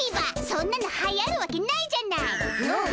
そんなのはやるわけないじゃないっ！